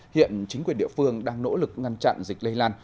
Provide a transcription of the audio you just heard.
hiện chính quyền địa phương đang nỗ lực ngăn chặn dịch lây lan